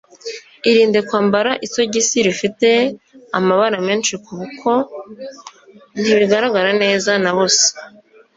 Irinde kwambara isogosi rifite amabara menshi kuko ntibigaragara neza na busa